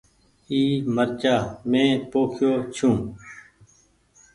اي مرچآ مين پوکيو ڇون۔